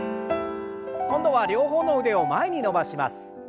今度は両方の腕を前に伸ばします。